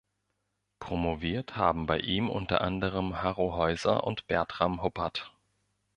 Promoviert haben bei ihm unter anderem Harro Heuser und Bertram Huppert.